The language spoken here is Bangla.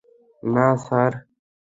নাহ, স্যার।